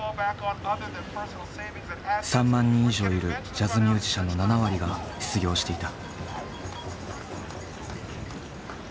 ３万人以上いるジャズミュージシャンの７割が失業していた。